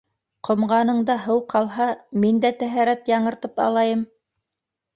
Ҡомғаныңда һыу ҡалһа, мин дә тәһәрәт яңыртып алайым.